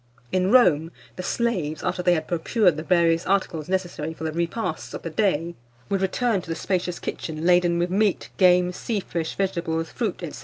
In Rome, the slaves, after they had procured the various articles necessary for the repasts of the day, would return to the spacious kitchen laden with meat, game, sea fish, vegetables, fruit, &c.